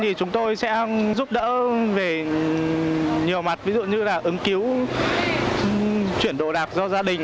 thì chúng tôi sẽ giúp đỡ về nhiều mặt ví dụ như là ứng cứu chuyển đồ đạc do gia đình